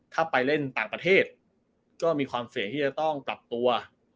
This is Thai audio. ถ้าไปเล่นต่างประเทศก็มีความเสี่ยงที่จะต้องปรับตัว